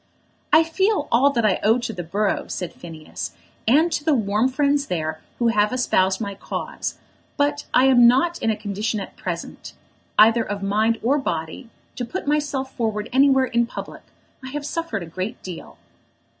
"I feel all that I owe to the borough," said Phineas, "and to the warm friends there who have espoused my cause; but I am not in a condition at present, either of mind or body, to put myself forward anywhere in public. I have suffered a great deal."